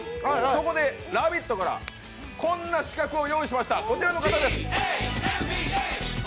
そこで、「ラヴィット！」から、こんな刺客を用意しました、こちらの方です。